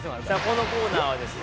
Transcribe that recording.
このコーナーはですね